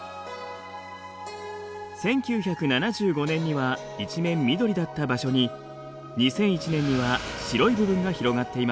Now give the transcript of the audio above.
１９７５年には一面緑だった場所に２００１年には白い部分が広がっています。